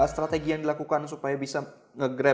strategi yang dilakukan supaya bisa membuatnya lebih mudah